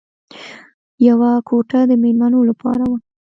یوه کوټه د مېلمنو لپاره وه